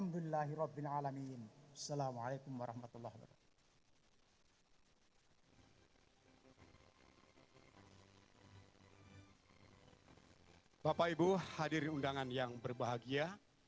bapak ibu hadirin undangan yang berbahagia